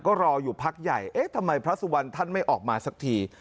ก็รออยู่พักใหญ่เอ๊ะทำไมพระสุวรรณท่านไม่ออกมาสักที